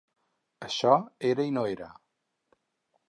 Això era i no era.